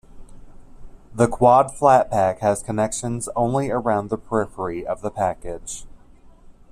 The quad flat-pack has connections only around the periphery of the package.